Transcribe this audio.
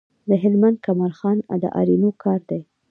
د هلمند کمال خان د آرینو کار دی